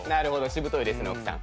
しぶといですね奥さん。